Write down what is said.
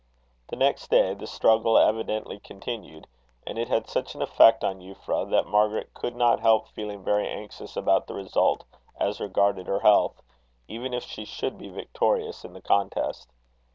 The next day, the struggle evidently continued; and it had such an effect on Euphra, that Margaret could not help feeling very anxious about the result as regarded her health, even if she should be victorious in the contest.